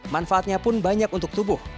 manfaatnya pun banyak untuk tubuh